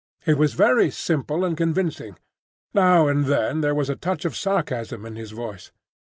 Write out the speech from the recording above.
He was very simple and convincing. Now and then there was a touch of sarcasm in his voice.